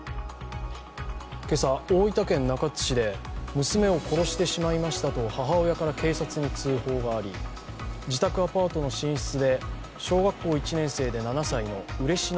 今朝、大分県中津市で娘を殺してしまいましたと母親から警察に通報があり自宅アパートの寝室で小学校１年生で７歳の嬉野